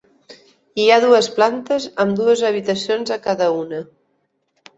Hi ha dues plantes, amb dues habitacions a cada una.